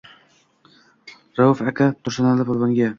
Rauf aka Tursunali polvonga: